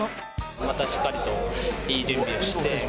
またしっかりと良い準備をして。